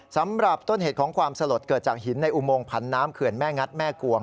สำหรับต้นเหตุของความสลดเกิดจากหินในอุโมงผันน้ำเขื่อนแม่งัดแม่กวง